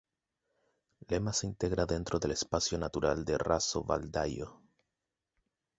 Lema se integra dentro del espacio natural de Razo-Baldaio.